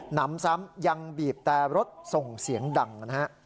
นำซ้ำยังบีบแต่รถส่งเสียงดังนะฮะ